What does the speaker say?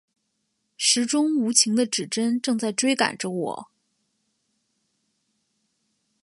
时钟无情的指针正在追赶着我